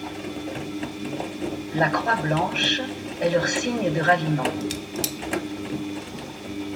La croix blanche est leur signe de ralliement.